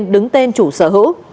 đứng tên chủ sở hữu